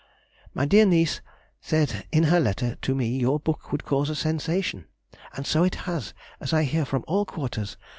My dear niece said in her letter to me your book would cause a sensation, and so it has, as I hear from all quarters.